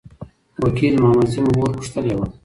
وکیل محمدزی مو مور پوښتلي وه.